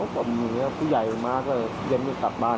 ผมผู้ใหญ่มาก็ยังไม่กลับบ้าน